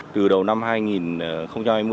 từ đầu năm hai nghìn hai mươi